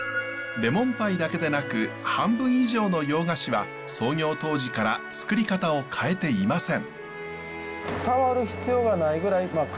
レモンパイだけでなく半分以上の洋菓子は創業当時からつくり方を変えていません。